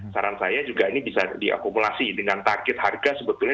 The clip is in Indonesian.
saran saya juga ini bisa diakumulasi dengan target harga sebetulnya